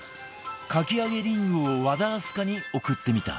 かき揚げリングを和田明日香に送ってみた